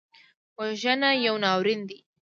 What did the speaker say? وژنه یو ناورین دی